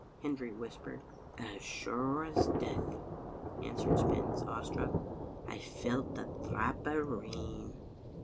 Hendry whispered. "As sure as death," answered Spens, awe struck, "I felt a drap o' rain."